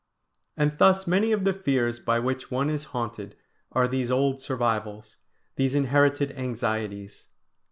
And thus many of the fears by which one is haunted are these old survivals, these inherited anxieties.